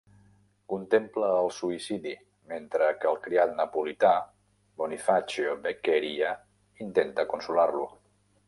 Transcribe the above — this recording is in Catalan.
Contempla el suïcidi, mentre que el criat napolità, Bonifacio Beccheria, intenta consolar-lo.